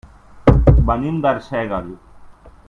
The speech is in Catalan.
Venim d'Arsèguel.